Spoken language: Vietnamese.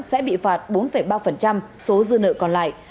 sẽ bị phạt bốn ba số dư nợ còn lại